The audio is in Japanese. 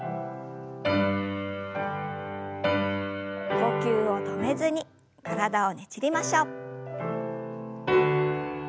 呼吸を止めずに体をねじりましょう。